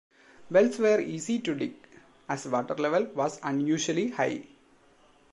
Wells were easy to dig, as the water level was unusually high.